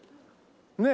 ねえ。